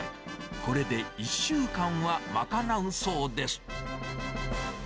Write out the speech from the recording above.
これで１週間は賄うそうです。